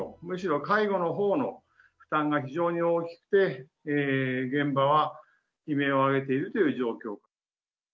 むしろ介護のほうの負担が非常に大きくて、現場は悲鳴を上げているという状況。